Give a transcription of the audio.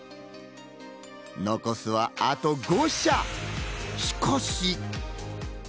残すはあと５社。